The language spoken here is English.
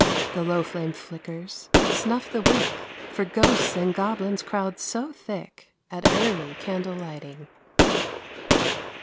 The low flame flickers. Snuff the wick! For ghosts and goblins crowd so thick At early candle lighting.